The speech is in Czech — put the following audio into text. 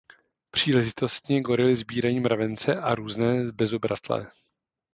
Příležitostně gorily sbírají mravence a různé bezobratlé.